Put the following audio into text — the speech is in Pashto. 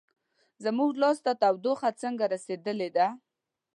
زموږ لاس ته تودوخه څنګه رسیدلې ده؟